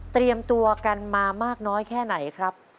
เตรียมตัวกันมามากน้อยแค่ไหนครับ